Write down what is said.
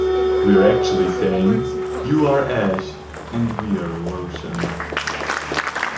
We're actually saying, 'You are ash and we're lotion.